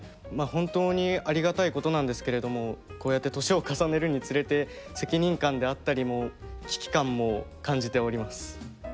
本当にありがたいことなんですけれどもこうやって年を重ねるにつれて責任感であったりも危機感も感じております。